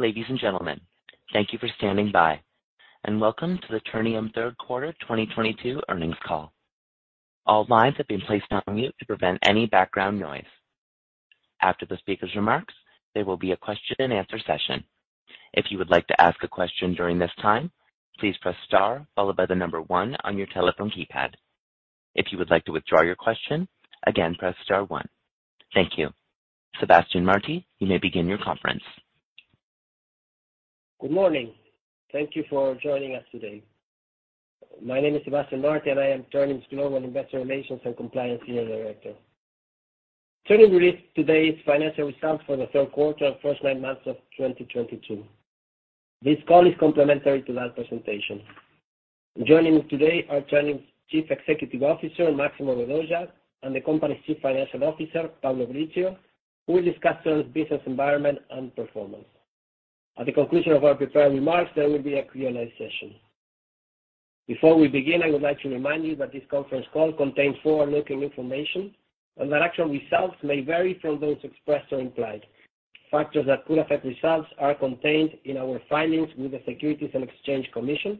Ladies and gentlemen, thank you for standing by, and welcome to the Ternium third quarter 2022 earnings call. All lines have been placed on mute to prevent any background noise. After the speaker's remarks, there will be a question and answer session. If you would like to ask a question during this time, please press star followed by the number one on your telephone keypad. If you would like to withdraw your question, again, press star one. Thank you. Sebastián Martí, you may begin your conference. Good morning. Thank you for joining us today. My name is Sebastián Martí, and I am Ternium's Global Investor Relations and Compliance Senior Director. Ternium released today's financial results for the third quarter and first nine months of 2022. This call is complementary to that presentation. Joining me today are Ternium's Chief Executive Officer, Máximo Vedoya, and the company's Chief Financial Officer, Pablo Brizzio, who will discuss Ternium's business environment and performance. At the conclusion of our prepared remarks, there will be a Q&A session. Before we begin, I would like to remind you that this conference call contains forward-looking information and that actual results may vary from those expressed or implied. Factors that could affect results are contained in our filings with the Securities and Exchange Commission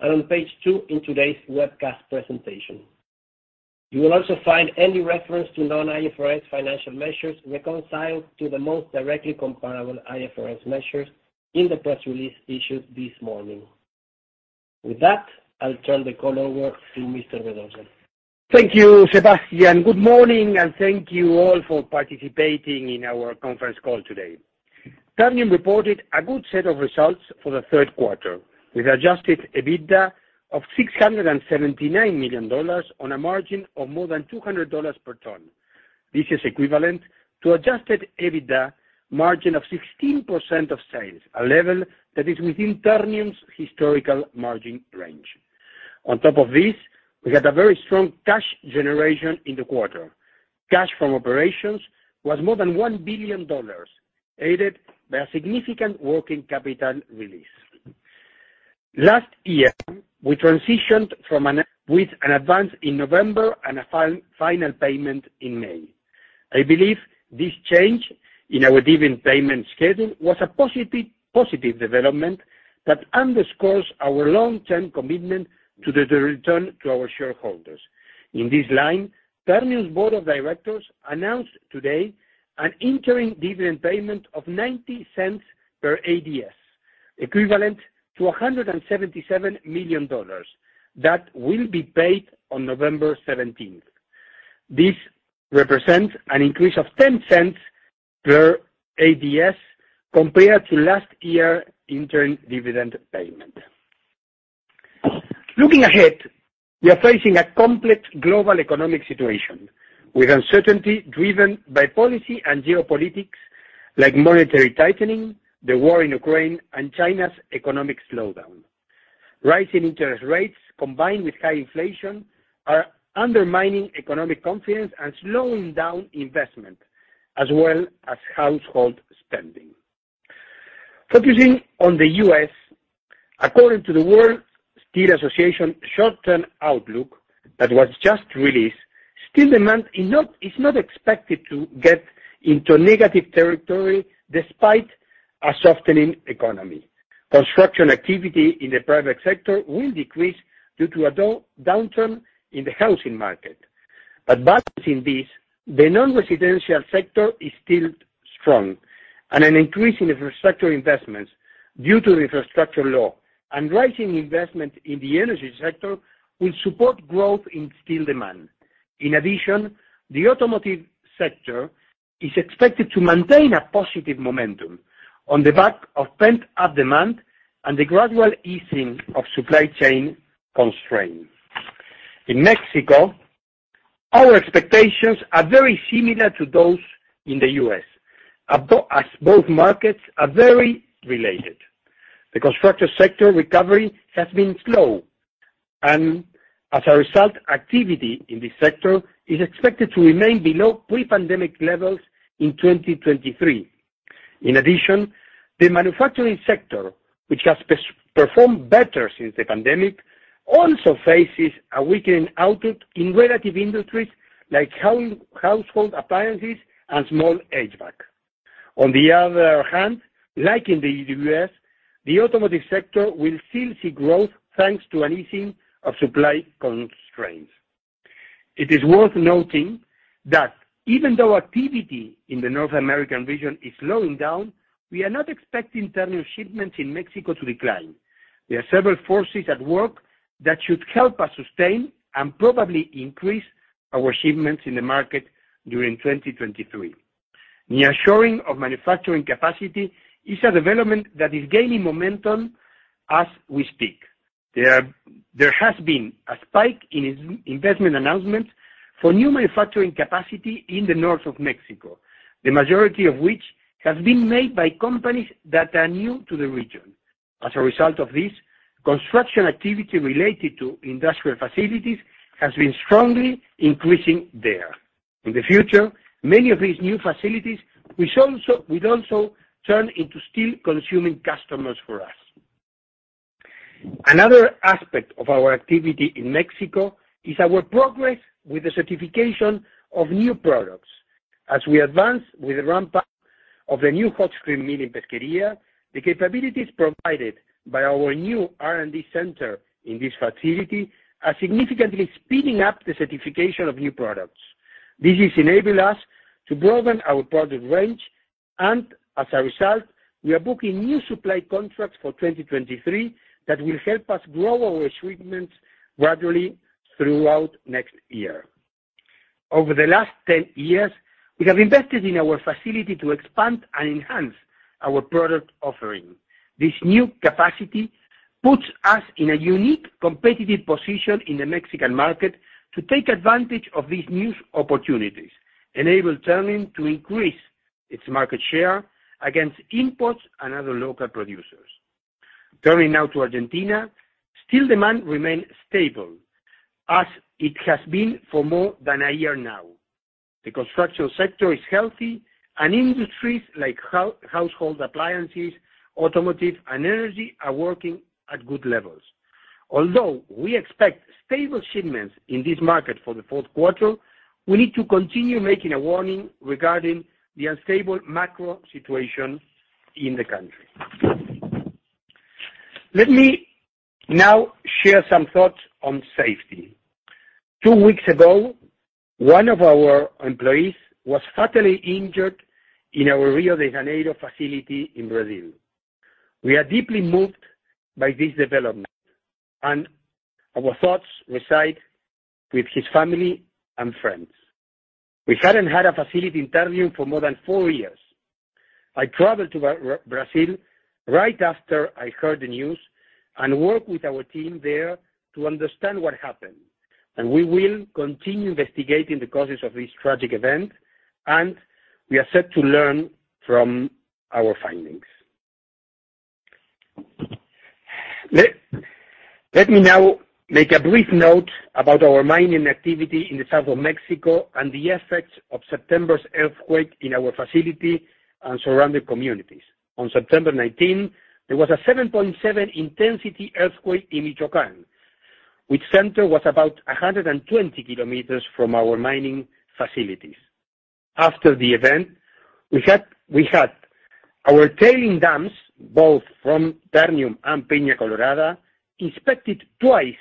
and on page 2 in today's webcast presentation. You will also find any reference to non-IFRS financial measures reconciled to the most directly comparable IFRS measures in the press release issued this morning. With that, I'll turn the call over to Mr. Vedoya. Thank you, Sebastián. Good morning, and thank you all for participating in our conference call today. Ternium reported a good set of results for the third quarter, with adjusted EBITDA of $679 million on a margin of more than $200 per ton. This is equivalent to adjusted EBITDA margin of 16% of sales, a level that is within Ternium's historical margin range. On top of this, we had a very strong cash generation in the quarter. Cash from operations was more than $1 billion, aided by a significant working capital release. Last year, we transitioned with an advance in November and a final payment in May. I believe this change in our dividend payment schedule was a positive development that underscores our long-term commitment to the return to our shareholders. In this line, Ternium's board of directors announced today an interim dividend payment of $0.90 per ADS, equivalent to $177 million that will be paid on November 17. This represents an increase of $0.10 per ADS compared to last year interim dividend payment. Looking ahead, we are facing a complex global economic situation with uncertainty driven by policy and geopolitics like monetary tightening, the war in Ukraine, and China's economic slowdown. Rising interest rates combined with high inflation are undermining economic confidence and slowing down investment as well as household spending. Focusing on the U.S., according to the World Steel Association Short Range Outlook that was just released, steel demand is not expected to get into negative territory despite a softening economy. Construction activity in the private sector will decrease due to a downturn in the housing market. Advancing this, the non-residential sector is still strong, and an increase in infrastructure investments due to the infrastructure law and rising investment in the energy sector will support growth in steel demand. In addition, the automotive sector is expected to maintain a positive momentum on the back of pent-up demand and the gradual easing of supply chain constraints. In Mexico, our expectations are very similar to those in the U.S., as both markets are very related. The construction sector recovery has been slow and as a result, activity in this sector is expected to remain below pre-pandemic levels in 2023. In addition, the manufacturing sector, which has performed better since the pandemic, also faces a weakening output in relative industries like household appliances and small HVAC. On the other hand, like in the U.S., the automotive sector will still see growth, thanks to an easing of supply constraints. It is worth noting that even though activity in the North American region is slowing down, we are not expecting Ternium shipments in Mexico to decline. There are several forces at work that should help us sustain and probably increase our shipments in the market during 2023. Nearshoring of manufacturing capacity is a development that is gaining momentum as we speak. There has been a spike in investment announcements for new manufacturing capacity in the north of Mexico, the majority of which has been made by companies that are new to the region. As a result of this, construction activity related to industrial facilities has been strongly increasing there. In the future, many of these new facilities would also turn into steel-consuming customers for us. Another aspect of our activity in Mexico is our progress with the certification of new products. As we advance with the ramp up of the new hot strip mill in Pesquería, the capabilities provided by our new R&D center in this facility are significantly speeding up the certification of new products. This has enabled us to broaden our product range, and as a result, we are booking new supply contracts for 2023 that will help us grow our shipments gradually throughout next year. Over the last 10 years, we have invested in our facility to expand and enhance our product offering. This new capacity puts us in a unique competitive position in the Mexican market to take advantage of these new opportunities, enable Ternium to increase its market share against imports and other local producers. Turning now to Argentina, steel demand remain stable as it has been for more than a year now. The construction sector is healthy, and industries like household appliances, automotive, and energy are working at good levels. Although we expect stable shipments in this market for the fourth quarter, we need to continue making a warning regarding the unstable macro situation in the country. Let me now share some thoughts on safety. Two weeks ago, one of our employees was fatally injured in our Rio de Janeiro facility in Brazil. We are deeply moved by this development, and our thoughts reside with his family and friends. We hadn't had a fatality incident for more than four years. I traveled to Brazil right after I heard the news and worked with our team there to understand what happened. We will continue investigating the causes of this tragic event, and we are set to learn from our findings. Let me now make a brief note about our mining activity in the south of Mexico and the effects of September's earthquake in our facility and surrounding communities. On September 19, there was a 7.7 intensity earthquake in Michoacán, which center was about 120 kilometers from our mining facilities. After the event, we had our tailing dams, both from Ternium and Peña Colorada, inspected twice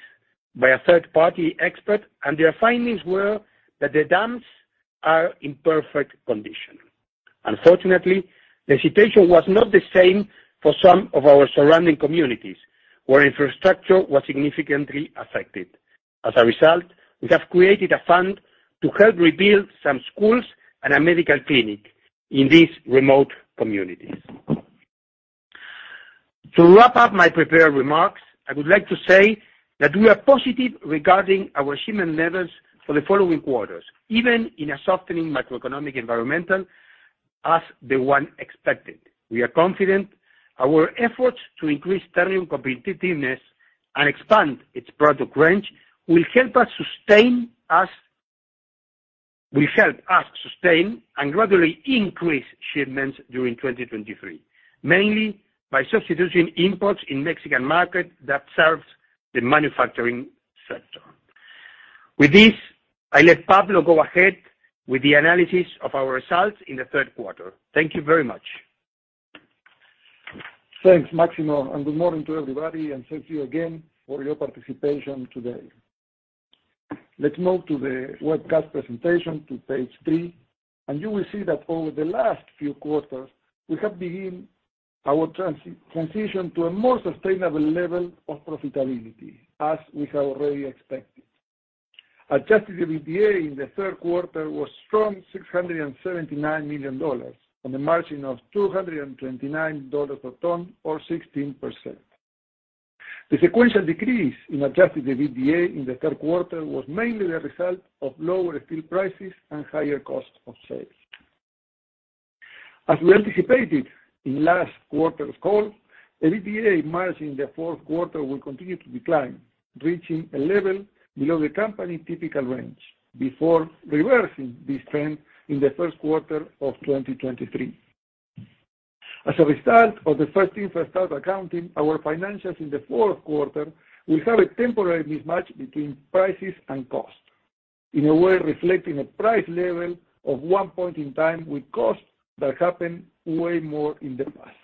by a third-party expert, and their findings were that the dams are in perfect condition. Unfortunately, the situation was not the same for some of our surrounding communities, where infrastructure was significantly affected. As a result, we have created a fund to help rebuild some schools and a medical clinic in these remote communities. To wrap up my prepared remarks, I would like to say that we are positive regarding our shipment levels for the following quarters, even in a softening macroeconomic environment as the one expected. We are confident our efforts to increase Ternium competitiveness and expand its product range will help us sustain and gradually increase shipments during 2023, mainly by substituting imports in Mexican market that serves the manufacturing sector. With this, I'll let Pablo go ahead with the analysis of our results in the third quarter. Thank you very much. Thanks, Máximo, and good morning to everybody, and thank you again for your participation today. Let's move to the webcast presentation to page three, and you will see that over the last few quarters, we have begun our transition to a more sustainable level of profitability, as we have already expected. Adjusted EBITDA in the third quarter was $679 million on the margin of $229 per ton or 16%. The sequential decrease in adjusted EBITDA in the third quarter was mainly the result of lower steel prices and higher cost of sales. As we anticipated in last quarter's call, EBITDA margin in the fourth quarter will continue to decline, reaching a level below the company's typical range before reversing this trend in the first quarter of 2023. As a result of the first-in, first-out accounting, our financials in the fourth quarter will have a temporary mismatch between prices and costs. In a way reflecting a price level of one point in time with costs that happened way more in the past.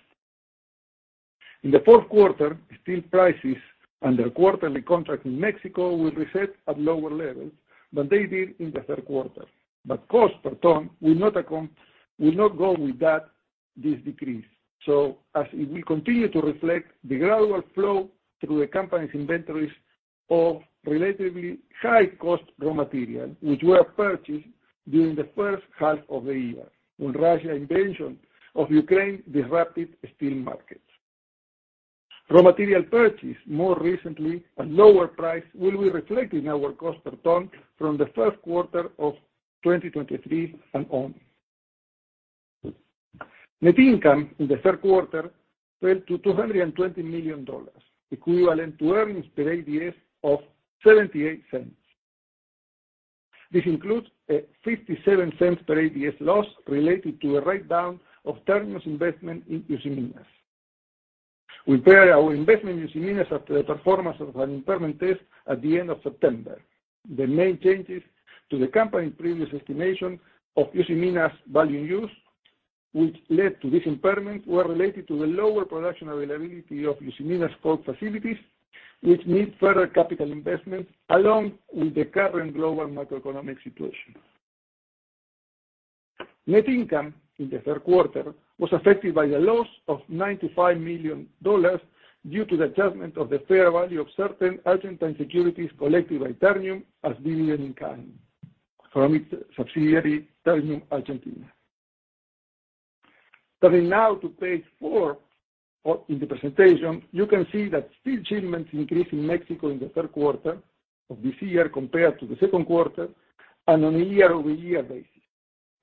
In the fourth quarter, steel prices under quarterly contract in Mexico will reset at lower levels than they did in the third quarter. Cost per ton will not go with that, this decrease. As it will continue to reflect the gradual flow through the company's inventories of relatively high-cost raw material, which were purchased during the first half of the year when Russia's invasion of Ukraine disrupted steel markets. Raw material purchased more recently at lower price will be reflected in our cost per ton from the first quarter of 2023 and on. Net income in the third quarter fell to $220 million, equivalent to earnings per ADS of $0.78. This includes a $0.57 per ADS loss related to a write-down of Ternium's investment in Usiminas. We impaired our investment in Usiminas after the performance of an impairment test at the end of September. The main changes to the company's previous estimation of Usiminas' value in use, which led to this impairment, were related to the lower production availability of Usiminas' core facilities, which need further capital investment along with the current global macroeconomic situation. Net income in the third quarter was affected by the loss of $95 million due to the adjustment of the fair value of certain Argentine securities collected by Ternium as dividend income from its subsidiary, Ternium Argentina. Turning now to page four of the presentation, you can see that steel shipments increased in Mexico in the third quarter of this year compared to the second quarter and on a year-over-year basis,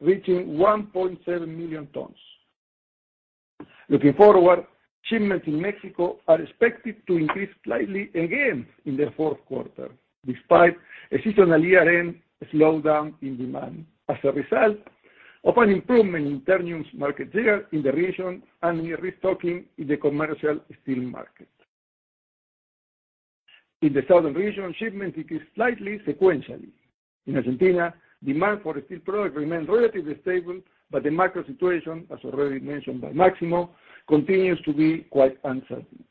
reaching 1.7 million tons. Looking forward, shipments in Mexico are expected to increase slightly again in the fourth quarter, despite a seasonal year-end slowdown in demand as a result of an improvement in Ternium's market share in the region and restocking in the commercial steel market. In the southern region, shipments decreased slightly sequentially. In Argentina, demand for steel products remained relatively stable, but the macro situation, as already mentioned by Máximo, continues to be quite uncertain.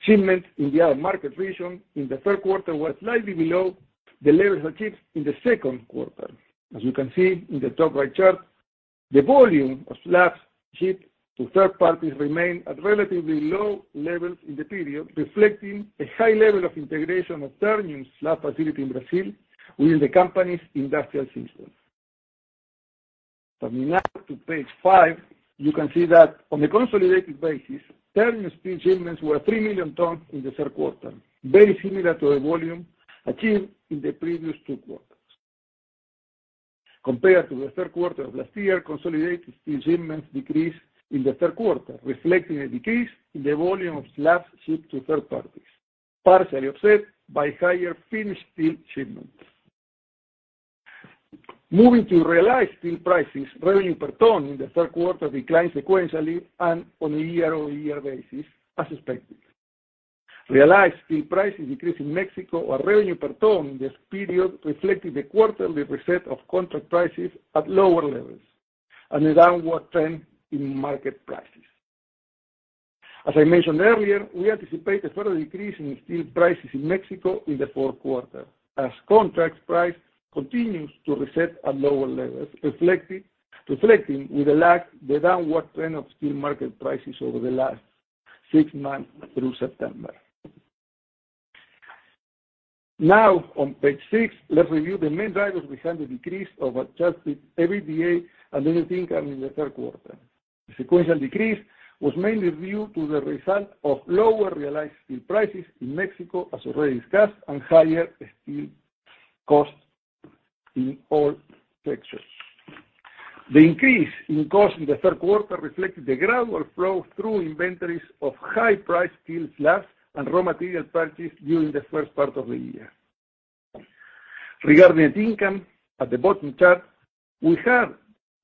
Shipments in the other market region in the third quarter were slightly below the levels achieved in the second quarter. As you can see in the top right chart, the volume of slabs shipped to third parties remained at relatively low levels in the period, reflecting a high level of integration of Ternium's slab facility in Brazil within the company's industrial system. Turning now to page five, you can see that on a consolidated basis, Ternium's steel shipments were 3 million tons in the third quarter, very similar to the volume achieved in the previous two quarters. Compared to the third quarter of last year, consolidated steel shipments decreased in the third quarter, reflecting a decrease in the volume of slabs shipped to third parties, partially offset by higher finished steel shipments. Moving to realized steel prices, revenue per ton in the third quarter declined sequentially and on a year-over-year basis as expected. Realized steel prices decreased in Mexico, our revenue per ton this period, reflecting the quarterly reset of contract prices at lower levels and a downward trend in market prices. As I mentioned earlier, we anticipate a further decrease in steel prices in Mexico in the fourth quarter as contract price continues to reset at lower levels, reflecting with a lag the downward trend of steel market prices over the last six months through September. Now on page six, let's review the main drivers behind the decrease of adjusted EBITDA and net income in the third quarter. The sequential decrease was mainly due to the result of lower realized steel prices in Mexico, as already discussed, and higher steel costs in all sectors. The increase in costs in the third quarter reflected the gradual flow through inventories of high-priced steel slabs and raw material purchased during the first part of the year. Regarding net income, at the bottom chart, we have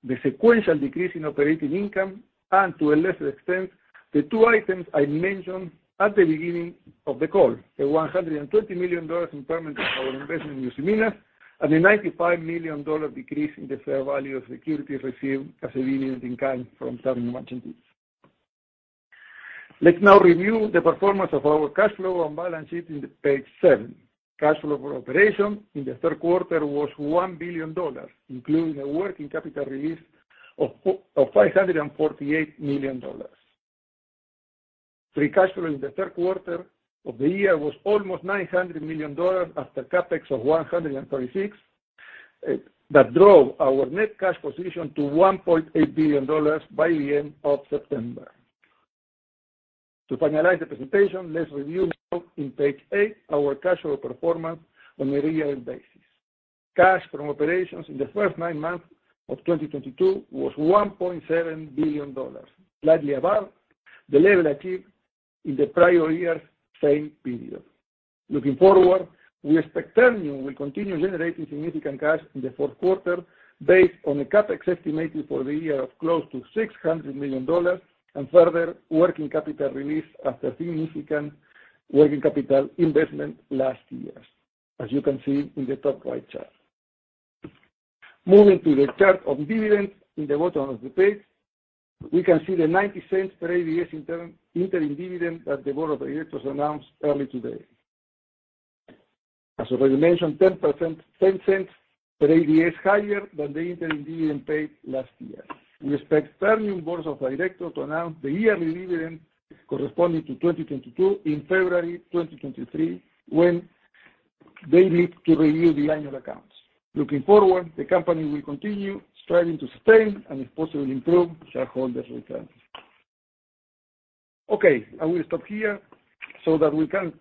the sequential decrease in operating income and to a lesser extent, the two items I mentioned at the beginning of the call, the $120 million impairment of our investment in Usiminas and the $95 million decrease in the fair value of securities received as dividend income from Ternium Argentina. Let's now review the performance of our cash flow and balance sheet on page 7. Cash flow from operations in the third quarter was $1 billion, including a working capital release of $548 million. Free cash flow in the third quarter of the year was almost $900 million after CapEx of $136 million that drove our net cash position to $1.8 billion by the end of September. To finalize the presentation, let's review now on page 8 our cash flow performance on a year-end basis. Cash from operations in the first nine months of 2022 was $1.7 billion, slightly above the level achieved in the prior year's same period. Looking forward, we expect Ternium will continue generating significant cash in the fourth quarter based on a CapEx estimated for the year of close to $600 million and further working capital release after significant working capital investment last year, as you can see in the top right chart. Moving to the chart of dividends in the bottom of the page, we can see the $0.90 per ADS interim dividend that the board of directors announced early today. As already mentioned, 10 cents per ADS higher than the interim dividend paid last year. We expect Ternium board of directors to announce the yearly dividend corresponding to 2022 in February 2023, when they meet to review the annual accounts. Looking forward, the company will continue striving to sustain, and if possible, improve shareholders' returns. Okay, I will stop here so that we can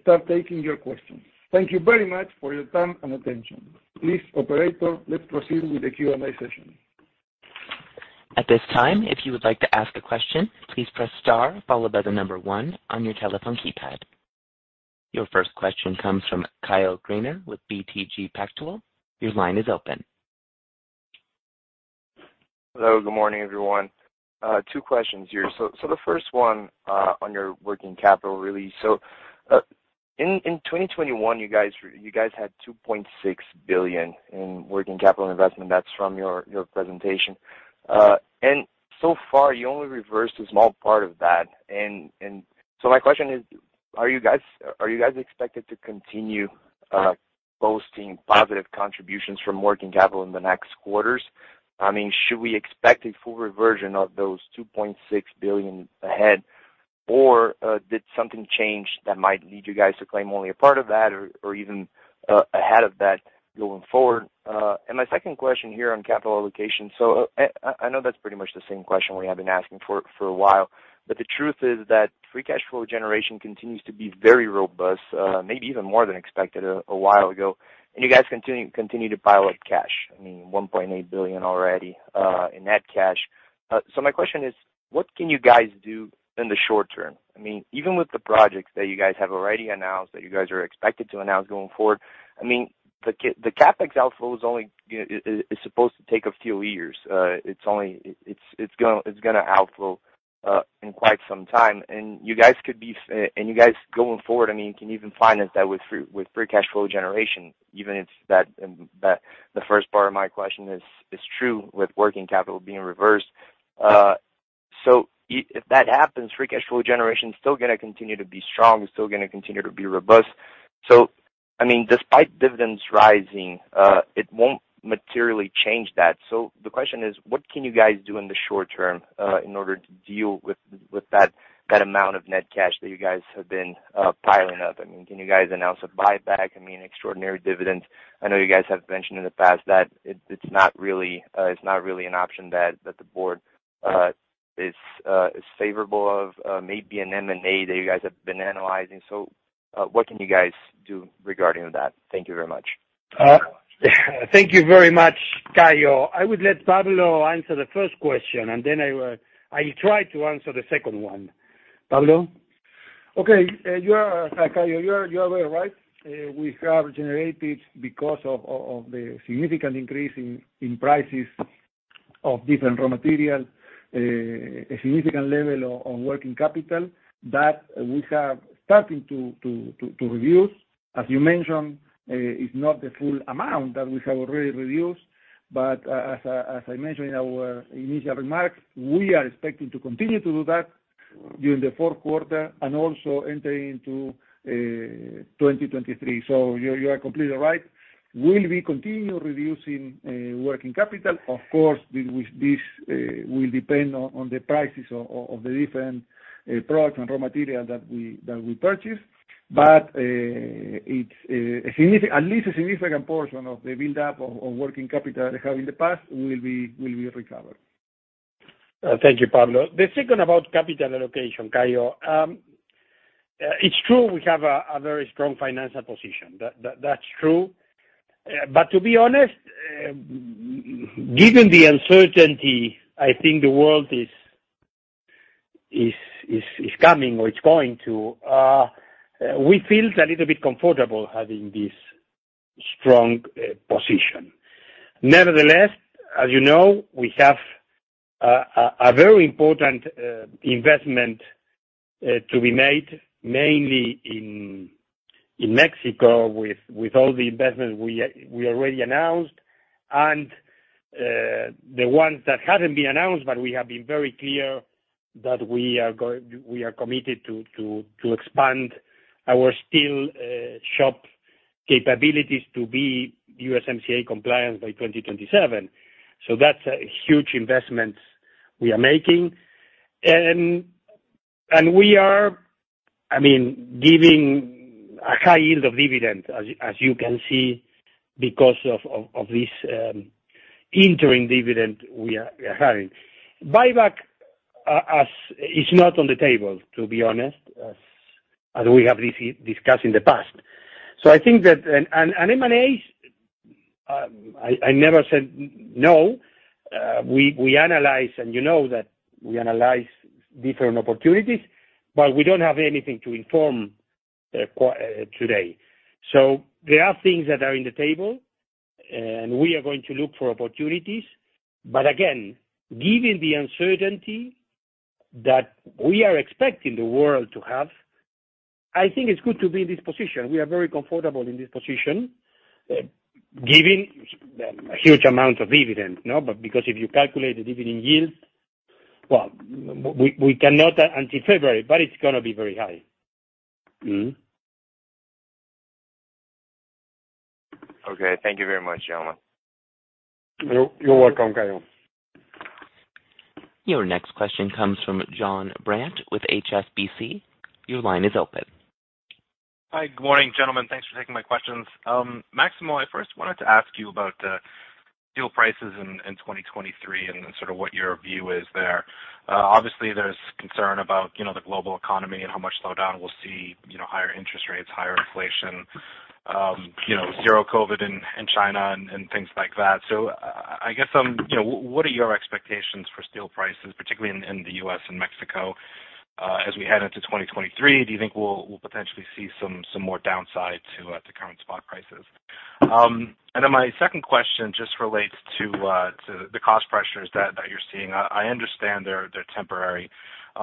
start taking your questions. Thank you very much for your time and attention. Please, operator, let's proceed with the Q&A session. At this time, if you would like to ask a question, please press star followed by 1 on your telephone keypad. Your first question comes from Caio Greiner with BTG Pactual. Your line is open. Hello, good morning, everyone. Two questions here. The first one on your working capital release. In 2021 you guys had $2.6 billion in working capital investment. That's from your presentation. So far you only reversed a small part of that. My question is, are you guys expected to continue posting positive contributions from working capital in the next quarters? I mean, should we expect a full reversion of those $2.6 billion ahead? Or did something change that might lead you guys to claim only a part of that or even add to that going forward? My second question here on capital allocation. I know that's pretty much the same question we have been asking for a while, but the truth is that free cash flow generation continues to be very robust, maybe even more than expected a while ago. You guys continue to pile up cash, I mean, $1.8 billion already in net cash. My question is, what can you guys do in the short term? I mean, even with the projects that you guys have already announced, that you guys are expected to announce going forward, I mean, the CapEx outflow is only supposed to take a few years. It's gonna outflow in quite some time. You guys going forward, I mean, can even finance that with free cash flow generation, even if the first part of my question is true with working capital being reversed. If that happens, free cash flow generation is still gonna continue to be strong, still gonna continue to be robust. I mean, despite dividends rising, it won't materially change that. The question is, what can you guys do in the short term in order to deal with that amount of net cash that you guys have been piling up? I mean, can you guys announce a buyback? I mean, extraordinary dividends. I know you guys have mentioned in the past that it's not really an option that the board is favorable of. Maybe an M&A that you guys have been analyzing. What can you guys do regarding that? Thank you very much. Thank you very much, Caio. I would let Pablo answer the first question, and then I try to answer the second one. Pablo? Okay. You are, Caio, very right. We have generated because of the significant increase in prices of different raw material, a significant level on working capital that we have starting to reduce. As you mentioned, it's not the full amount that we have already reduced, but as I mentioned in our initial remarks, we are expecting to continue to do that during the fourth quarter and also entering into 2023. You are completely right. Will we continue reducing working capital? Of course. With this, will depend on the prices of the different products and raw material that we purchase. It's at least a significant portion of the build up of working capital we have in the past will be recovered. Thank you, Pablo. The second about capital allocation, Caio. It's true we have a very strong financial position. That's true. To be honest, given the uncertainty, I think the world is coming or it's going to, we feel a little bit comfortable having this strong position. Nevertheless, as you know, we have a very important investment to be made mainly in Mexico with all the investments we already announced and the ones that haven't been announced, but we have been very clear that we are committed to expand our steel shop capabilities to be USMCA compliant by 2027. That's a huge investment we are making. We are, I mean, giving a high yield of dividend as you can see because of this interim dividend we are having. Buyback is not on the table, to be honest, as we have discussed in the past. I think that M&As, I never said no. We analyze and you know that we analyze different opportunities, but we don't have anything to inform today. There are things that are in the table, and we are going to look for opportunities. Again, given the uncertainty that we are expecting the world to have, I think it's good to be in this position. We are very comfortable in this position, giving a huge amount of dividend. No, but because if you calculate the dividend yield, well, we cannot until February, but it's gonna be very high. Mm-hmm. Okay. Thank you very much, gentlemen. You're welcome, Caio. Your next question comes from Jonathan Brandt with HSBC. Your line is open. Hi. Good morning, gentlemen. Thanks for taking my questions. Máximo, I first wanted to ask you about steel prices in 2023 and then sort of what your view is there. Obviously there's concern about, you know, the global economy and how much slowdown we'll see, you know, higher interest rates, higher inflation, you know, zero COVID in China and things like that. I guess, you know, what are your expectations for steel prices, particularly in the U.S. and Mexico, as we head into 2023? Do you think we'll potentially see some more downside to the current spot prices? My second question just relates to the cost pressures that you're seeing. I understand they're temporary.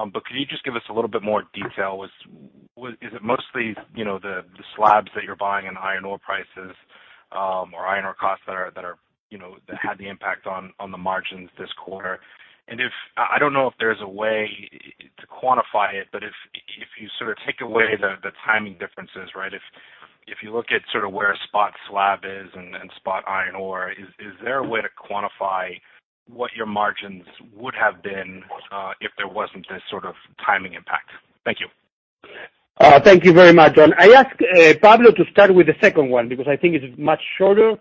Could you just give us a little bit more detail? What is it mostly, you know, the slabs that you're buying and iron ore prices, or iron ore costs that are, you know, that had the impact on the margins this quarter? I don't know if there's a way to quantify it, but if you sort of take away the timing differences, right? If you look at sort of where spot slab is and then spot iron ore, is there a way to quantify what your margins would have been, if there wasn't this sort of timing impact? Thank you. Thank you very much, John. I ask Pablo to start with the second one because I think it's much shorter,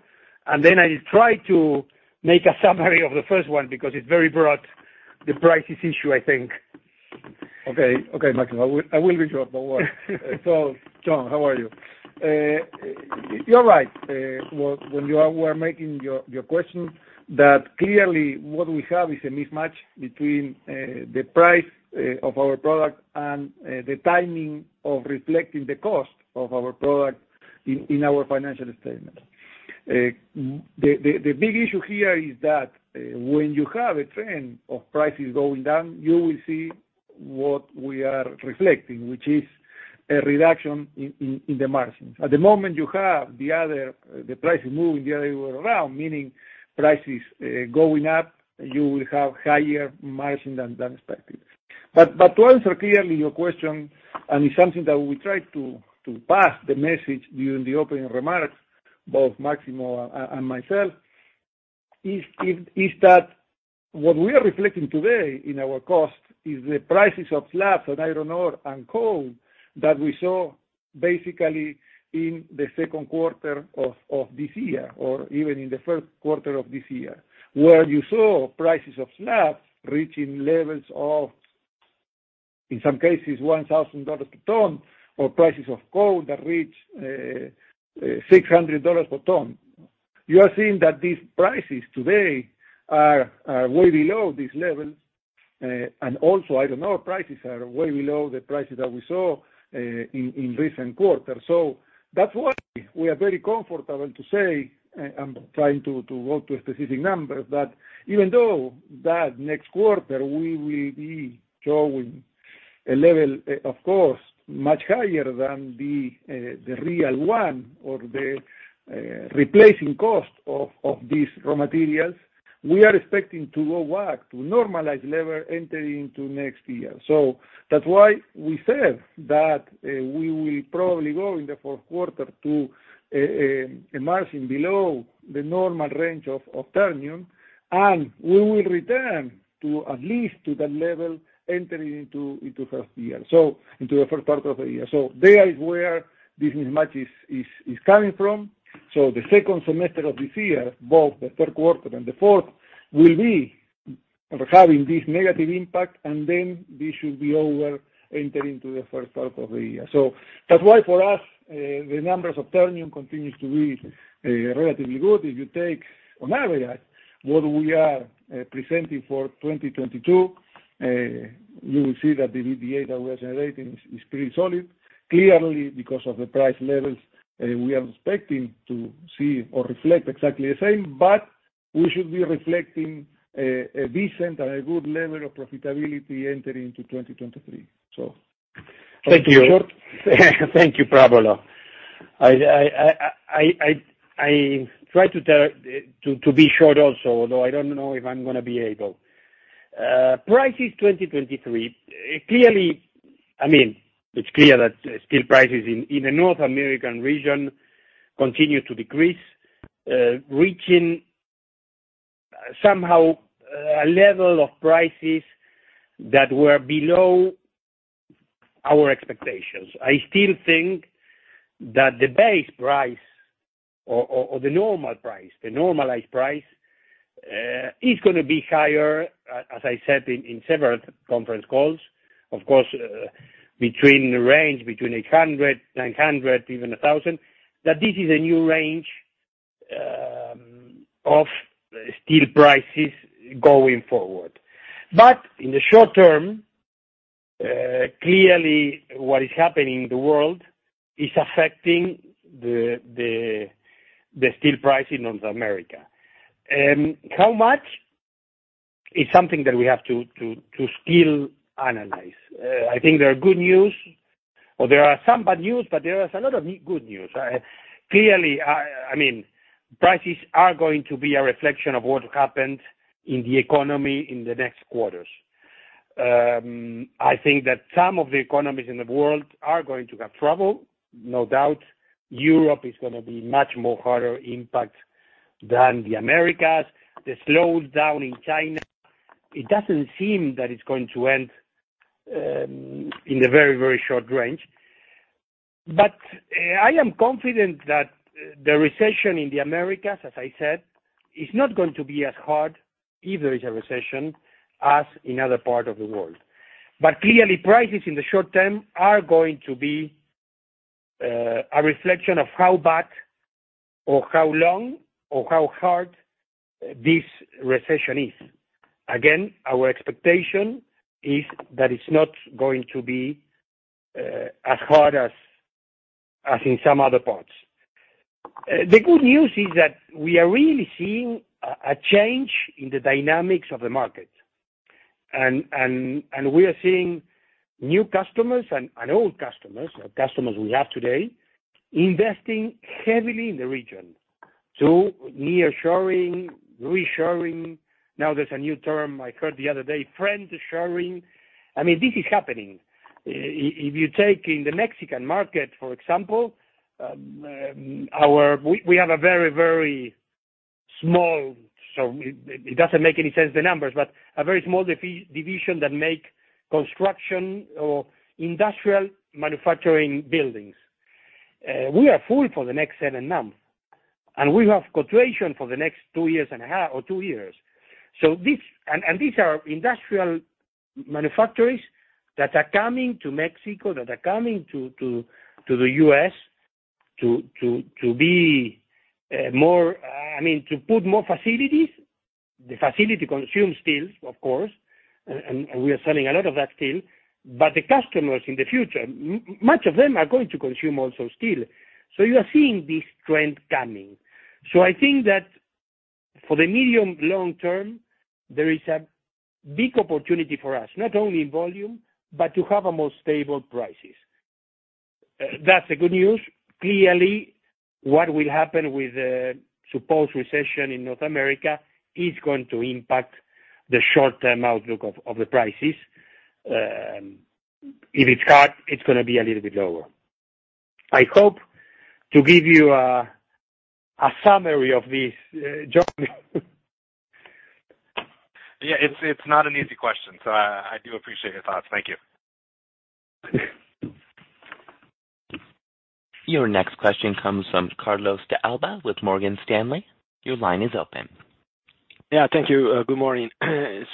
and then I try to make a summary of the first one because it's very broad, the prices issue, I think. Okay. Okay, Máximo. I will be short, no worry. John, how are you? You're right, when you are making your question that clearly what we have is a mismatch between the price of our product and the timing of reflecting the cost of our product in our financial statement. The big issue here is that when you have a trend of prices going down, you will see what we are reflecting, which is a reduction in the margins. At the moment you have the other, the prices moving the other way around, meaning prices going up, you will have higher margin than expected. To answer clearly your question, and it's something that we try to pass the message during the opening remarks, both Máximo and myself, is that what we are reflecting today in our cost is the prices of slabs and iron ore and coal that we saw basically in the second quarter of this year or even in the first quarter of this year, where you saw prices of slabs reaching levels of, in some cases, $1,000 per ton, or prices of coal that reached $600 per ton. You are seeing that these prices today are way below these levels. Also, iron ore prices are way below the prices that we saw in recent quarters. That's why we are very comfortable to say, I'm trying to go to a specific number, that even though that next quarter we will be showing a level, of course, much higher than the real one or the replacement cost of these raw materials, we are expecting to go back to normalized level entering into next year. That's why we said that we will probably go in the fourth quarter to a margin below the normal range of Ternium, and we will return to at least to that level entering into first year, so into the first part of the year. There is where this mismatch is coming from. The second semester of this year, both the third quarter and the fourth, will be having this negative impact, and then this should be over entering into the first part of the year. That's why for us, the numbers of Ternium continues to be relatively good. If you take on average what we are presenting for 2022, you will see that the EBITDA we are generating is pretty solid. Clearly, because of the price levels, we are expecting to see or reflect exactly the same, but we should be reflecting a decent and a good level of profitability entering into 2023. Thank you. Thank you, Pablo. I try to be short also, although I don't know if I'm gonna be able. Prices 2023, clearly I mean, it's clear that steel prices in the North American region continue to decrease, reaching somehow a level of prices that were below our expectations. I still think that the base price or the normal price, the normalized price, is gonna be higher, as I said in several conference calls, of course, between the range between $800, $900, even $1,000. That this is a new range of steel prices going forward. In the short term, clearly what is happening in the world is affecting the steel price in North America. How much is something that we have to still analyze. I think there are good news, or there are some bad news, but there is a lot of good news. Clearly, I mean, prices are going to be a reflection of what happened in the economy in the next quarters. I think that some of the economies in the world are going to have trouble. No doubt, Europe is gonna be much more harder impact than the Americas. The slowdown in China, it doesn't seem that it's going to end, in the very, very short range. I am confident that the recession in the Americas, as I said, is not going to be as hard, if there is a recession, as in other part of the world. Clearly, prices in the short term are going to be a reflection of how bad or how long or how hard this recession is. Again, our expectation is that it's not going to be as hard as in some other parts. The good news is that we are really seeing a change in the dynamics of the market, and we are seeing new customers and old customers we have today, investing heavily in the region. Nearshoring, reshoring, now there's a new term I heard the other day, friendshoring. I mean, this is happening. If you take the Mexican market, for example, we have a very small, so it doesn't make any sense, the numbers, but a very small division that make construction or industrial manufacturing buildings. We are full for the next seven months, and we have quotation for the next two years and a half or two years. These are industrial manufacturers that are coming to Mexico, that are coming to the U.S. to be more, I mean, to put more facilities. The facility consumes steel, of course, and we are selling a lot of that steel. The customers in the future, much of them are going to consume also steel. You are seeing this trend coming. I think that for the medium long term, there is a big opportunity for us, not only in volume, but to have a more stable prices. That's the good news. Clearly, what will happen with the supposed recession in North America is going to impact the short-term outlook of the prices. If it's hard, it's gonna be a little bit lower. I hope to give you a summary of this, Jonathan Brandt. Yeah. It's not an easy question, so I do appreciate your thoughts. Thank you. Your next question comes from Carlos de Alba with Morgan Stanley. Your line is open. Yeah. Thank you. Good morning. Coming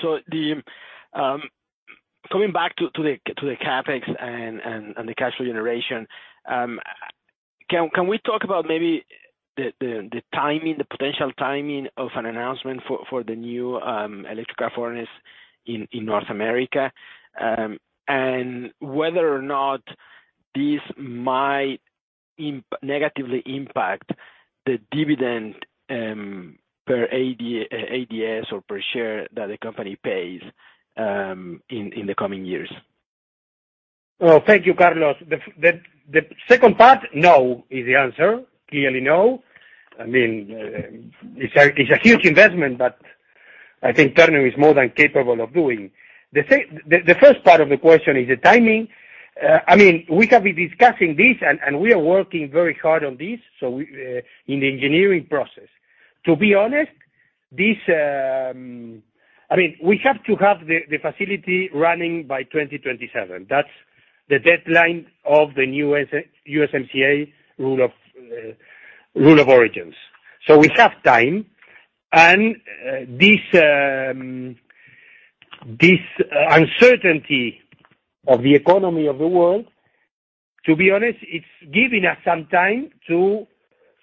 back to the CapEx and the cash generation, can we talk about maybe the timing, the potential timing of an announcement for the new electrical furnace in North America, and whether or not this might negatively impact the dividend per ADS or per share that the company pays in the coming years? Well, thank you, Carlos. The second part, no is the answer. Clearly no. I mean, it's a huge investment, but I think Ternium is more than capable of doing. The first part of the question is the timing. I mean, we can be discussing this, and we are working very hard on this, so we in the engineering process. To be honest, this, I mean, we have to have the facility running by 2027. That's the deadline of the new USMCA rule of origins. We have time, and this uncertainty of the economy of the world, to be honest, it's giving us some time to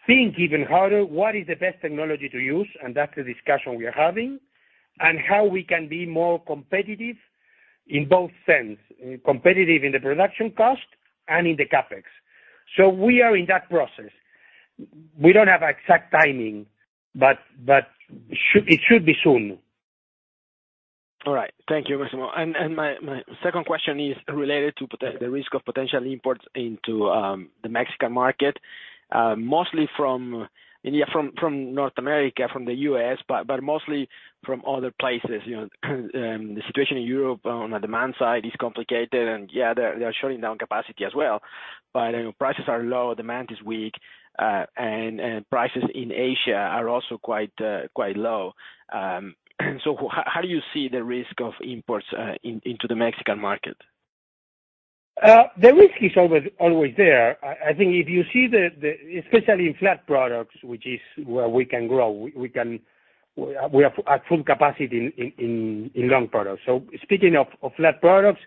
think even harder what is the best technology to use, and that's the discussion we are having, and how we can be more competitive in both sense, competitive in the production cost and in the CapEx. We are in that process. We don't have exact timing, but it should be soon. All right. Thank you very much. My second question is related to the risk of potential imports into the Mexican market, mostly from North America, from the U.S., but mostly from other places, you know. The situation in Europe on the demand side is complicated, and they're shutting down capacity as well. You know, prices are low, demand is weak, and prices in Asia are also quite low. How do you see the risk of imports into the Mexican market? The risk is always there. I think if you see, especially in flat products, which is where we can grow, we are at full capacity in long products. Speaking of flat products,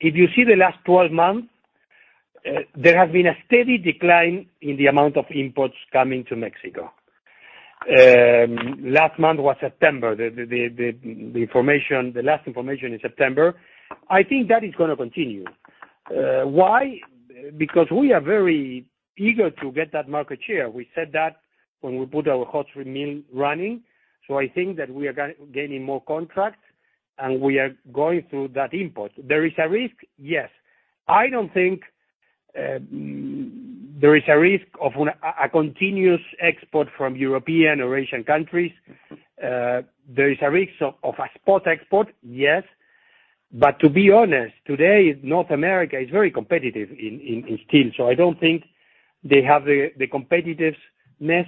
if you see the last 12 months, there has been a steady decline in the amount of imports coming to Mexico. Last month was September. The last information in September. I think that is gonna continue. Why? Because we are very eager to get that market share. We said that when we put our hot mill running. I think that we are gaining more contracts, and we are going through that import. There is a risk, yes. I don't think there is a risk of a continuous export from European or Asian countries. There is a risk of a spot export, yes. To be honest, today North America is very competitive in steel, so I don't think they have the competitiveness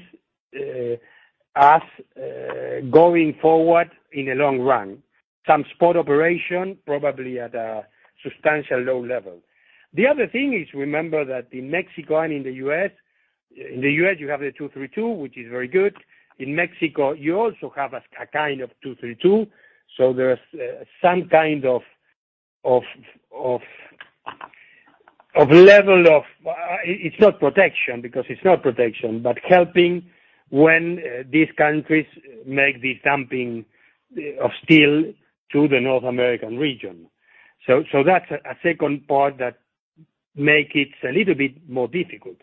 as going forward in the long run. Some spot operation probably at a substantial low level. The other thing is remember that in Mexico and in the U.S., you have Section 232, which is very good. In Mexico, you also have a kind of Section 232, so there's some kind of level of. It's not protection, but helping when these countries make this dumping of steel to the North American region. That's a second part that make it a little bit more difficult.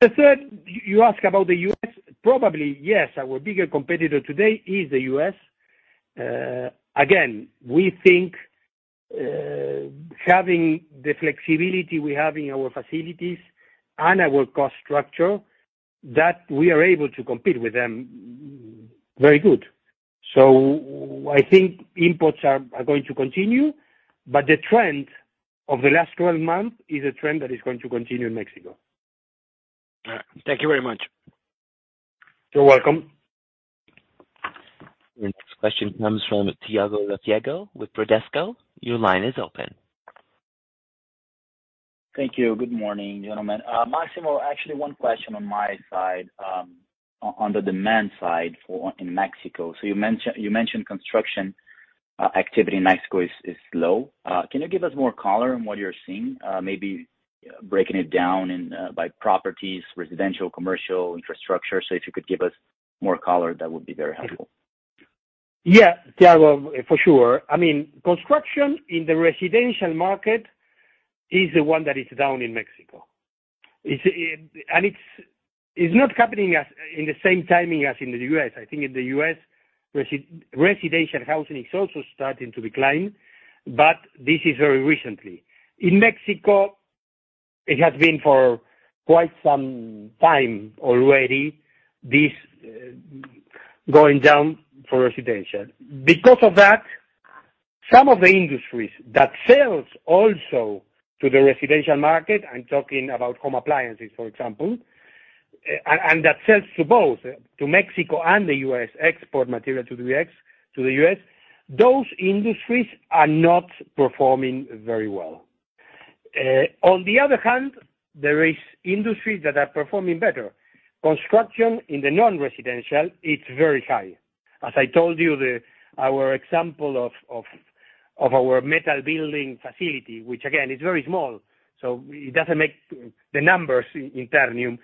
The third, you ask about the U.S. Probably, yes, our bigger competitor today is the U.S. Again, we think having the flexibility we have in our facilities and our cost structure, that we are able to compete with them very good. I think imports are going to continue, but the trend of the last 12 months is a trend that is going to continue in Mexico. All right. Thank you very much. You're welcome. The next question comes from Thiago Lofiego with Bradesco. Your line is open. Thank you. Good morning, gentlemen. Máximo, actually one question on my side, on the demand side in Mexico. You mentioned construction activity in Mexico is slow. Can you give us more color on what you're seeing, maybe breaking it down by properties, residential, commercial, infrastructure. If you could give us more color, that would be very helpful. Yeah, Thiago, for sure. I mean, construction in the residential market is the one that is down in Mexico. It's not happening as in the same timing as in the U.S. I think in the U.S. residential housing is also starting to decline, but this is very recently. In Mexico, it has been for quite some time already, this going down for residential. Because of that, some of the industries that sells also to the residential market, I'm talking about home appliances, for example, and that sells to both, to Mexico and the U.S., export material to the U.S., those industries are not performing very well. On the other hand, there is industries that are performing better. Construction in the non-residential, it's very high. As I told you, our example of our metal building facility, which again is very small, so it doesn't make the numbers in Ternium.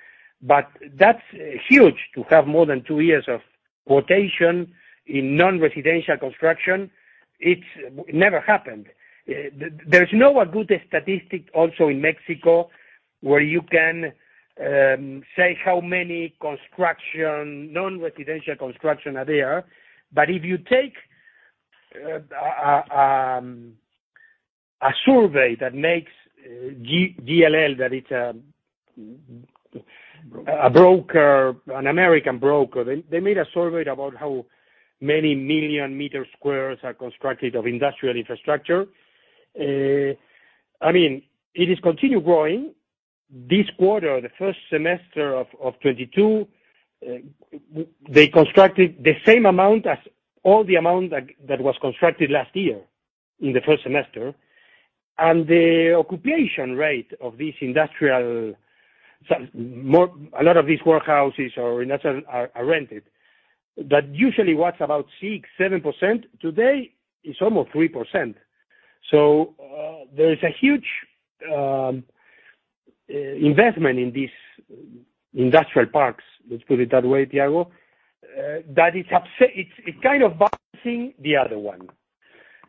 That's huge to have more than two years of quotation in non-residential construction. It's never happened. There's no good statistic also in Mexico, where you can say how many non-residential construction there are. If you take a survey that JLL makes, that it's a broker, an American broker, they made a survey about how many million square meters are constructed of industrial infrastructure. I mean, it continues growing. This quarter, the first semester of 2022, they constructed the same amount as all the amount that was constructed last year in the first semester. The occupation rate of this industrial, so more. A lot of these warehouses are actually rented. That usually was about 6-7%. Today, it's almost 3%. There is a huge investment in these industrial parks, let's put it that way, Thiago, that offsets it. It's kind of balancing the other one.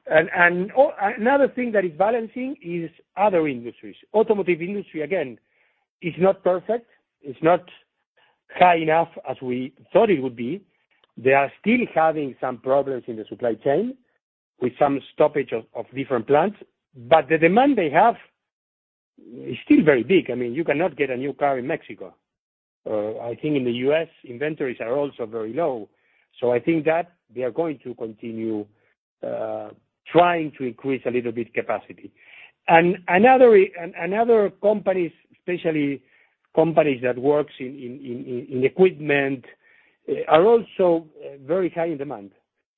Another thing that is balancing is other industries. Automotive industry, again, is not perfect, it's not high enough as we thought it would be. They are still having some problems in the supply chain with some stoppage of different plants, but the demand they have is still very big. I mean, you cannot get a new car in Mexico. I think in the U.S. inventories are also very low. I think that they are going to continue trying to increase a little bit capacity. Another companies, especially companies that works in equipment, are also very high in demand.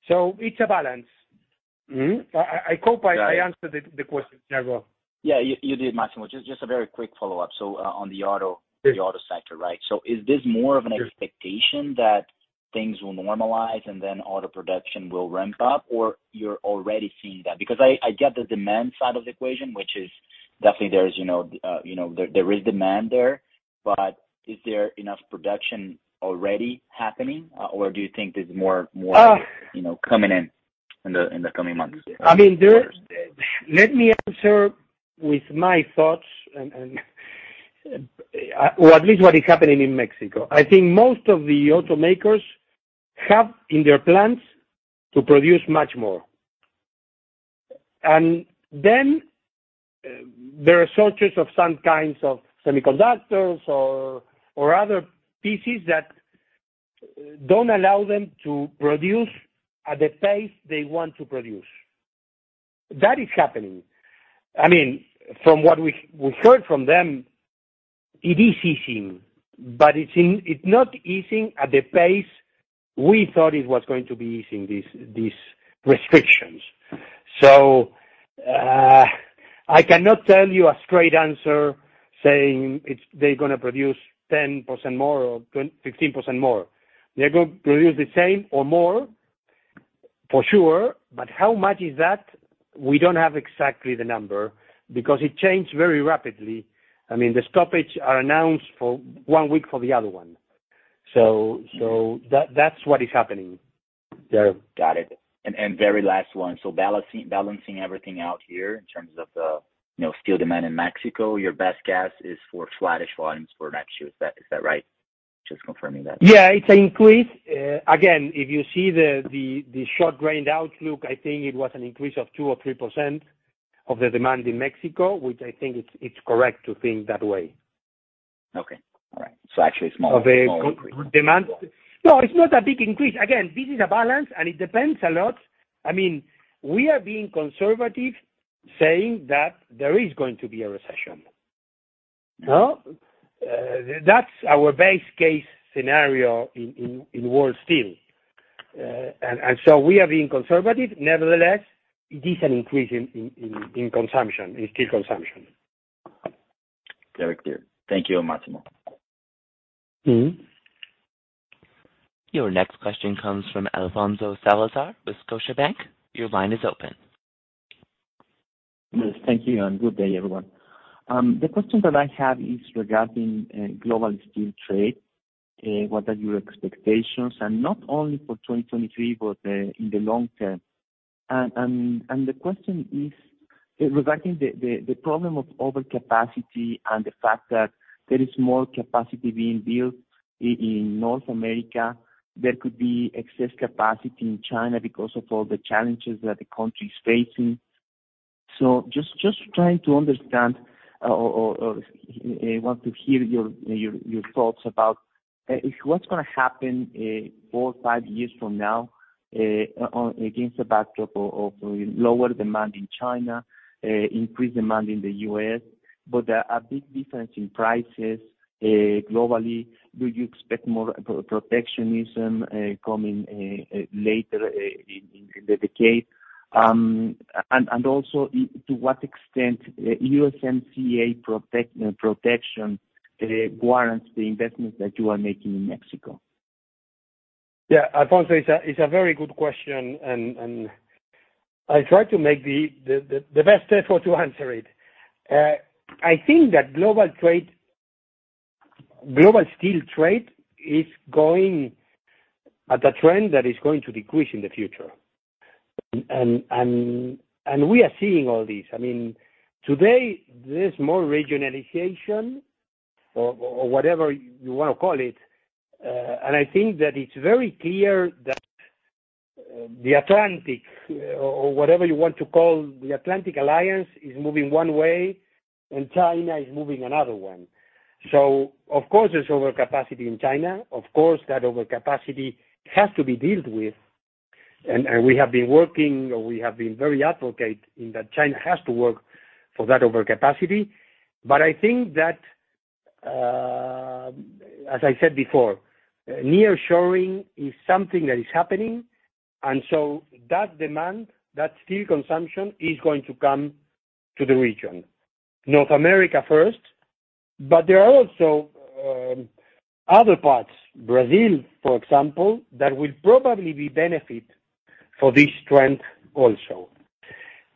It's a balance. Mm-hmm? I hope I answered the question, Thiago. Yeah. You did, Máximo. Just a very quick follow-up. On the auto- Yeah. The auto sector, right? Is this more of an expectation that things will normalize and then auto production will ramp up, or you're already seeing that? Because I get the demand side of the equation, which is definitely there, you know, you know, there is demand there, but is there enough production already happening? Or do you think there's more? Uh. You know, coming in the coming months? Let me answer with my thoughts, or at least what is happening in Mexico. I think most of the automakers have in their plans to produce much more. There are shortages of some kinds of semiconductors or other pieces that don't allow them to produce at the pace they want to produce. That is happening. From what we heard from them, it is easing, but it's not easing at the pace we thought it was going to be easing these restrictions. I cannot tell you a straight answer saying they're gonna produce 10% more or 15% more. They're gonna produce the same or more, for sure. But how much is that? We don't have exactly the number because it changed very rapidly. I mean, the stoppages are announced for one week for the other one. That's what is happening there. Got it. Very last one. Balancing everything out here in terms of the, you know, steel demand in Mexico, your best guess is for flattish volumes for next year. Is that right? Just confirming that. Yeah, it's an increase. Again, if you see the Short Range Outlook, I think it was an increase of 2 or 3% of the demand in Mexico, which I think it's correct to think that way. Okay. All right. Actually a small increase. Apparent demand. No, it's not a big increase. Again, this is a balance, and it depends a lot. I mean, we are being conservative saying that there is going to be a recession. No? That's our base case scenario in World Steel. And so we are being conservative. Nevertheless, it is an increase in consumption, in steel consumption. Very clear. Thank you, Máximo. Mm-hmm. Your next question comes from Alfonso Salazar with Scotiabank. Your line is open. Yes, thank you, and good day, everyone. The question that I have is regarding global steel trade. What are your expectations, and not only for 2023, but in the long term. The question is regarding the problem of overcapacity and the fact that there is more capacity being built in North America. There could be excess capacity in China because of all the challenges that the country is facing. Just trying to understand or want to hear your thoughts about what's gonna happen four, five years from now against the backdrop of lower demand in China, increased demand in the U.S., but a big difference in prices globally. Do you expect more protectionism coming later in the decade? Also to what extent USMCA protection warrants the investment that you are making in Mexico? Yeah. Alfonso, it's a very good question, and I try to make the best effort to answer it. I think that global steel trade is going at a trend that is going to decrease in the future. We are seeing all this. I mean, today, there's more regionalization or whatever you wanna call it. I think that it's very clear that the Atlantic or whatever you want to call the Atlantic Alliance is moving one way and China is moving another one. Of course, there's overcapacity in China. Of course, that overcapacity has to be dealt with. We have been working or we have been very advocate in that China has to work for that overcapacity. I think that, as I said before, nearshoring is something that is happening, and so that demand, that steel consumption is going to come to the region. North America first, but there are also other parts, Brazil, for example, that will probably benefit from this trend also.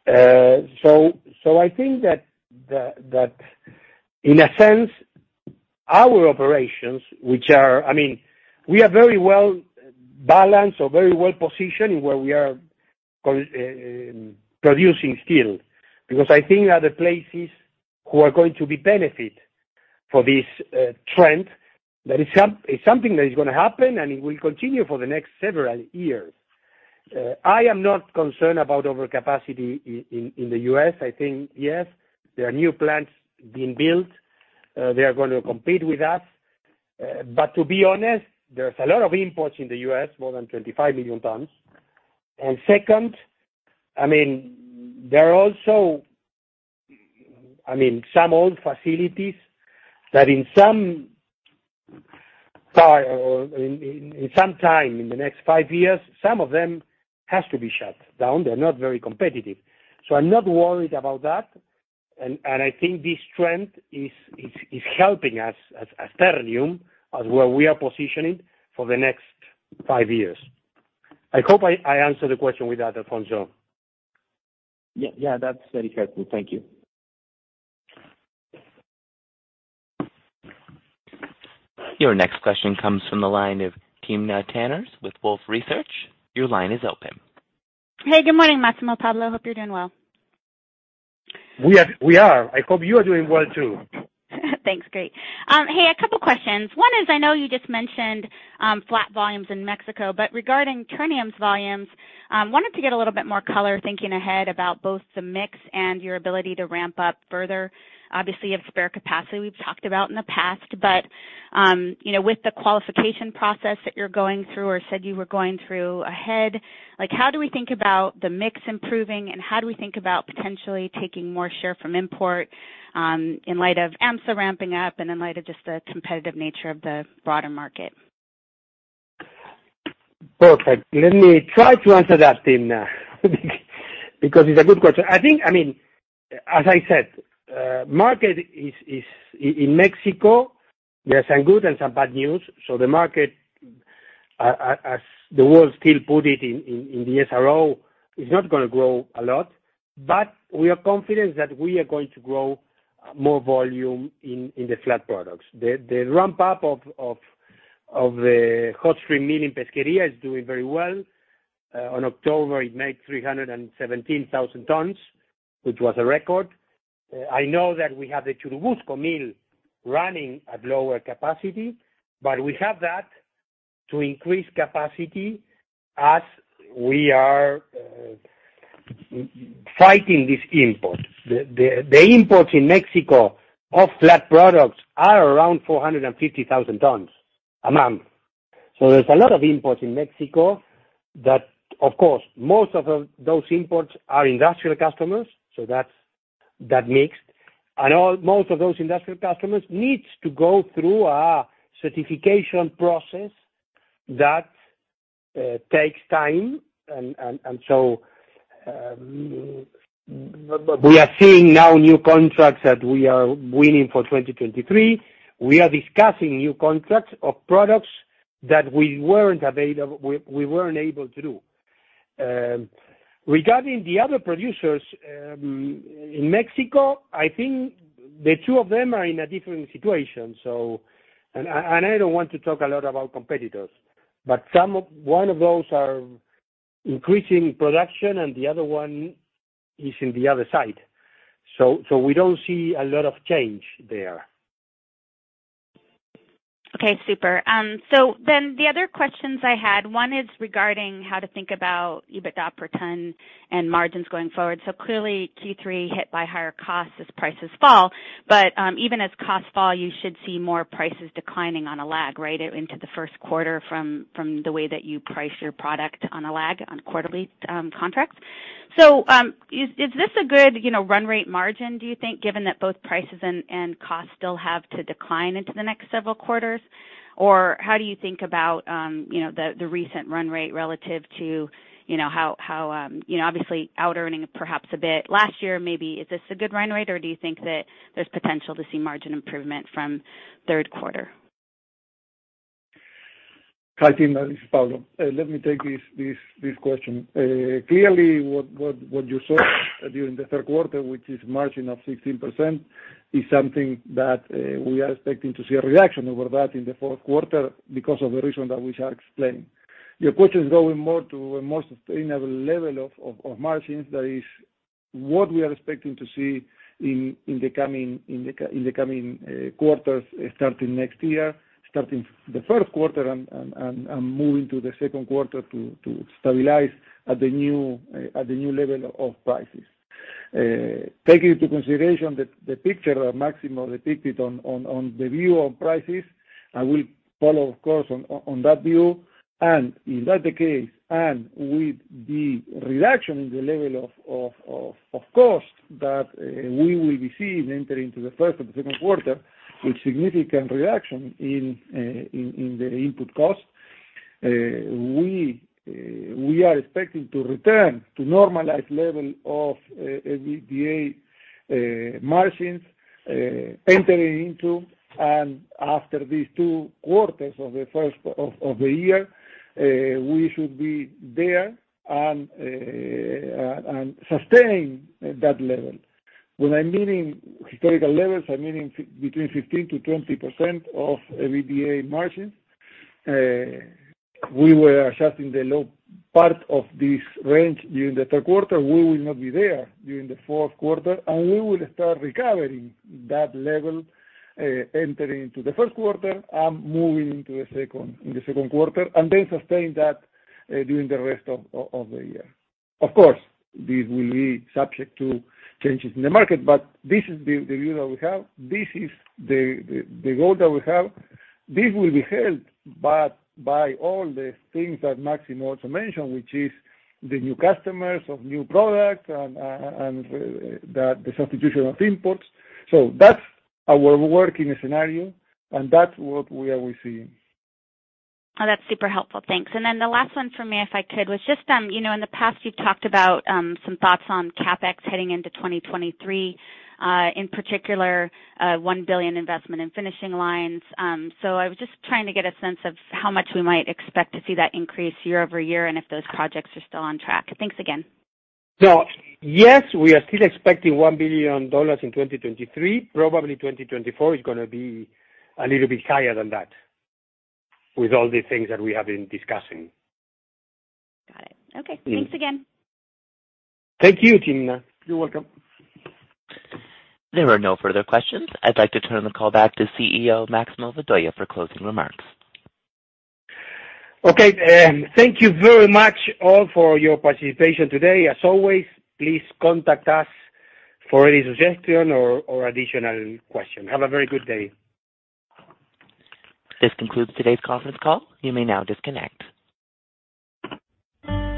I think that in a sense, our operations, which are, I mean, we are very well balanced or very well positioned where we are producing steel, because I think that the places who are going to benefit from this trend, that is something that is gonna happen, and it will continue for the next several years. I am not concerned about overcapacity in the U.S. I think, yes, there are new plants being built. They are gonna compete with us. To be honest, there's a lot of imports in the U.S., more than 25 million tons. Second, I mean, there are also, I mean, some old facilities that in some time in the next five years, some of them has to be shut down. They're not very competitive. I'm not worried about that. I think this trend is helping us as Ternium, as where we are positioning for the next five years. I hope I answered the question with that, Alfonso. Yeah. Yeah, that's very helpful. Thank you. Your next question comes from the line of Timna Tanners with Wolfe Research. Your line is open. Hey, good morning, Máximo, Pablo. Hope you're doing well. We are. I hope you are doing well too. Thanks. Great. Hey, a couple questions. One is, I know you just mentioned, flat volumes in Mexico, but regarding Ternium's volumes, wanted to get a little bit more color thinking ahead about both the mix and your ability to ramp up further, obviously of spare capacity we've talked about in the past. You know, with the qualification process that you're going through or said you were going through ahead, like, how do we think about the mix improving and how do we think about potentially taking more share from import? In light of AHMSA ramping up and in light of just the competitive nature of the broader market. Perfect. Let me try to answer that, Timna, because it's a good question. The market is in Mexico. There are some good and some bad news. The market, as World Steel still puts it in the SRO, is not gonna grow a lot. We are confident that we are going to grow more volume in the flat products. The ramp-up of the hot-strip mill in Pesquería is doing very well. On October, it made 317,000 tons, which was a record. I know that we have the Churubusco mill running at lower capacity, but we have that to increase capacity as we are fighting these imports. The imports in Mexico of flat products are around 450,000 tons a month. There's a lot of imports in Mexico that, of course, most of those imports are industrial customers, so that's that mix. Most of those industrial customers needs to go through our certification process that takes time. We are seeing now new contracts that we are winning for 2023. We are discussing new contracts of products that we weren't able to do. Regarding the other producers in Mexico, I think the two of them are in a different situation. I don't want to talk a lot about competitors, but one of those are increasing production and the other one is in the other side. We don't see a lot of change there. Okay, super. The other questions I had, one is regarding how to think about EBITDA per ton and margins going forward. Clearly, Q3 hit by higher costs as prices fall. Even as costs fall, you should see more prices declining on a lag, right? Into the first quarter from the way that you price your product on a lag on quarterly contracts. Is this a good, you know, run rate margin, do you think, given that both prices and costs still have to decline into the next several quarters? Or how do you think about, you know, the recent run rate relative to, you know, how? You know, obviously out-earning perhaps a bit last year, maybe is this a good run rate, or do you think that there's potential to see margin improvement from third quarter? Hi, Timna, this is Pablo. Let me take this question. Clearly what you saw during the third quarter, which is margin of 16%, is something that we are expecting to see a reaction over that in the fourth quarter because of the reasons that we have explained. Your question is going more to a more sustainable level of margins. That is what we are expecting to see in the coming quarters starting next year, starting the first quarter and moving to the second quarter to stabilize at the new level of prices. Taking into consideration the picture Máximo depicted on the view on prices, I will follow, of course, on that view. If that's the case, with the reduction in the level of cost that we will be seeing entering into the first or the second quarter, with significant reduction in the input cost, we are expecting to return to normalized level of EBITDA margins entering into. After these two quarters of the first of the year, we should be there and sustaining that level. When I mean historical levels, I mean between 15%-20% EBITDA margins. We were at the low part of this range during the third quarter. We will not be there during the fourth quarter, and we will start recovering that level entering into the first quarter and moving into the second, in the second quarter, and then sustain that during the rest of the year. Of course, this will be subject to changes in the market, but this is the goal that we have. This will be helped by all the things that Máximo also mentioned, which is the new customers of new products and the substitution of imports. That's our working scenario, and that's what we are seeing. Oh, that's super helpful. Thanks. Then the last one for me, if I could, was just, you know, in the past you've talked about some thoughts on CapEx heading into 2023, in particular, $1 billion investment in finishing lines. I was just trying to get a sense of how much we might expect to see that increase year-over-year, and if those projects are still on track. Thanks again. Yes, we are still expecting $1 billion in 2023. Probably 2024 is gonna be a little bit higher than that with all the things that we have been discussing. Got it. Okay. Yeah. Thanks again. Thank you, Timna. You're welcome. There are no further questions. I'd like to turn the call back to CEO Máximo Vedoya for closing remarks. Okay. Thank you very much all for your participation today. As always, please contact us for any suggestion or additional question. Have a very good day. This concludes today's conference call. You may now disconnect.